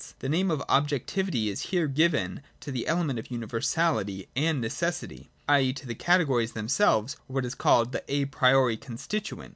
The name of objectivity is here given to the element of universality and necessity, i.e. to the categories themselves, or what is called the a priori constituent.